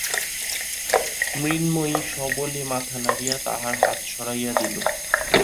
মৃন্ময়ী সবলে মাথা নাড়িয়া তাহার হাত সরাইয়া দিল।